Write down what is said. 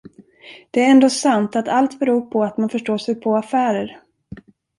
Det är ändå sant, att allt beror på att man förstår sig på affärer.